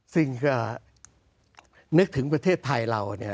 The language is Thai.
ซึ่งก็นึกถึงประเทศไทยเราเนี่ย